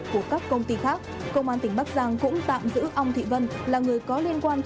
của các công ty khác công an tỉnh bắc giang cũng tạm giữ ong thị vân là người có liên quan